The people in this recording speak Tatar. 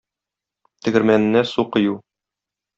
Тегермәненә су кою.